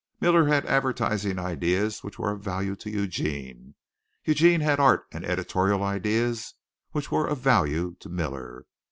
Miller had advertising ideas which were of value to Eugene. Eugene had art and editorial ideas which were of value to Miller.